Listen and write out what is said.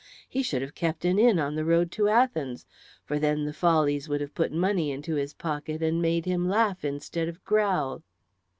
He should have kept an inn on the road to Athens, for then the follies would have put money into his pocket and made him laugh instead of growl."